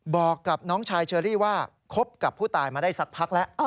บอกกับน้องชายเชอรี่ว่าคบกับผู้ตายมาได้สักพักแล้ว